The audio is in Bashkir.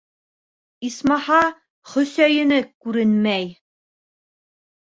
- Исмаһа, Хөсәйене күренмәй!